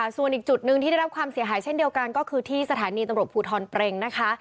ส่วนอีกจุดหนึ่งที่ได้รับความเสียหายเช่นเดียวกันก็คือที่สถานีตำรวจภูทรเปรงนะคะ